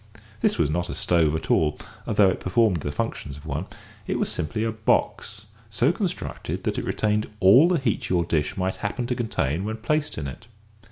This was not a stove at all, though it performed the functions of one. It was simply a box, so constructed that it retained all the heat your dish might happen to contain when placed in it.